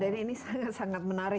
mbak desy ini sangat sangat menarik